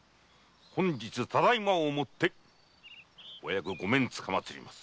本日ただ今をもってお役ご免つかまつります。